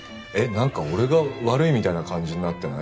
なんか俺が悪いみたいな感じになってない？